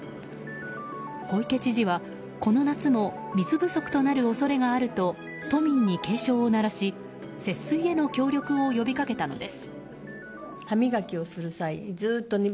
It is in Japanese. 小池知事はこの夏も水不足となる恐れがあると都民に警鐘を鳴らし節水への協力を呼びかけたのです。